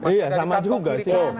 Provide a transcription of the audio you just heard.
iya sama juga sih